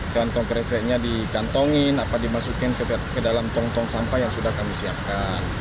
kantong kreseknya dikantongin dimasukin ke dalam tong tong sampah yang sudah kami siapkan